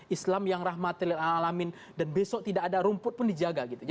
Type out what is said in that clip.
islam yang rahmatilil alamin dan besok tidak ada rumput pun dijaga gitu